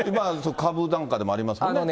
株なんかでもありますよね。